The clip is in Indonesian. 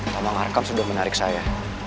tambang arkam sudah menarik saya